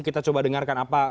kita coba dengarkan apa